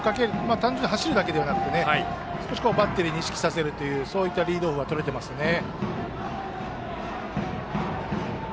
単純に走るだけではなくてバッテリーに意識させるというそういったリードオフはとれていますね。